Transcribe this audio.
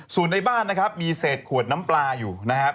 ส่วนในบ้านนะครับมีเศษขวดน้ำปลาอยู่นะครับ